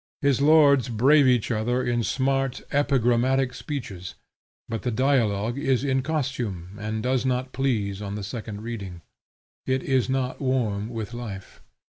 His lords brave each other in smart epigramatic speeches, but the dialogue is in costume, and does not please on the second reading: it is not warm with life.